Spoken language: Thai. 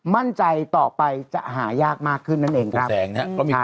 มั่นใจต่อไปจะหายากมากขึ้นนั่นเองครับ